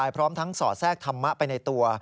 พร้อมทั้งสอดแทรกธรรมะไปในตัว